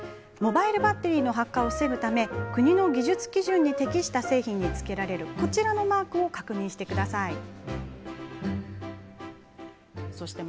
モバイルバッテリーの発火を防ぐため国の技術基準に適した製品につけられるこちらのマークを確認してください。